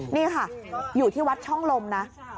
นี่ค่ะอยู่ที่วัดช่องลมนะ